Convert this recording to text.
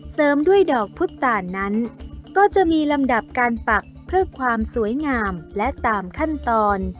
เสริมด้วยดอกพุทธตาลนั้นก็จะมีลำดับการปักเพื่อความสวยงามและตามขั้นตอน